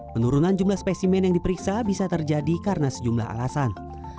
penurunan jumlah spesimen yang diperiksa bisa terjadi karena sejumlah alasan